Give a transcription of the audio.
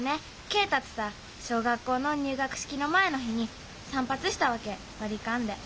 恵達さ小学校の入学式の前の日に散髪したわけバリカンで。